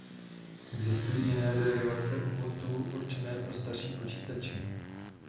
Existují i jiné derivace Ubuntu určené pro starší počítače.